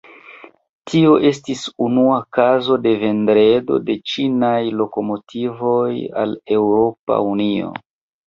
Tio estis unua kazo de vendado de ĉinaj lokomotivoj al Eŭropa Unio.